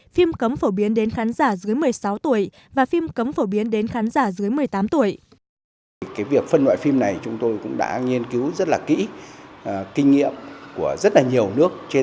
phim cấm phổ biến đến khán giả dưới một mươi sáu tuổi và phim cấm phổ biến đến khán giả dưới một mươi tám tuổi